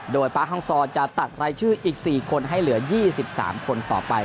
โดยป๊าฮองซอจะตัดรายชื่ออีก๔คนให้เหลือ๒๓คนต่อไป